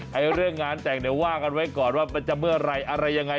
เรื่องงานแต่งเดี๋ยวว่ากันไว้ก่อนว่ามันจะเมื่อไหร่อะไรยังไง